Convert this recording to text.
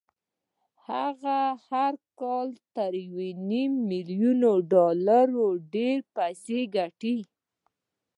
هغه هر کال تر يوه ميليون ډالر ډېرې پيسې ګټي.